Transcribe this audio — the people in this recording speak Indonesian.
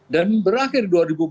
dan berakhir dua ribu empat belas